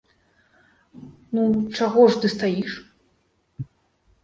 Ну чаго ж ты стаіш?